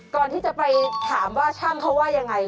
ก่อนที่จะไปถามว่าช่างเขาว่ายังไง